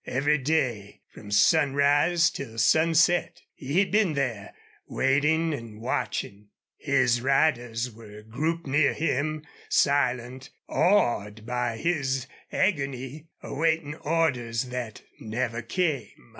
Every day, from sunrise till sunset, he had been there, waiting and watching. His riders were grouped near him, silent, awed by his agony, awaiting orders that never came.